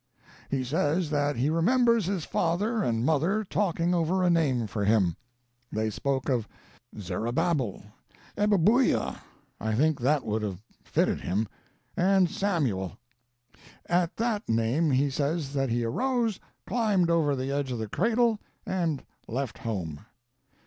He says that he remembers his father and mother talking over a name for him. They spoke of Zerubbabel, Ebabbucah I think that would have fitted him and Samuel. At that name he says that he arose, climbed over the edge of the cradle, and left home.